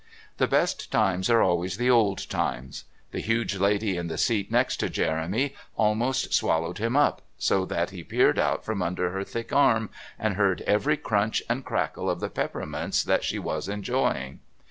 The best times are always the old times. The huge lady in the seat next to Jeremy almost swallowed him up, so that he peered out from under her thick arm, and heard every crunch and crackle of the peppermints that she was enjoying.